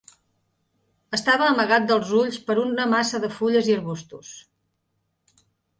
Estava amagat dels ulls per una massa de fulles i arbustos.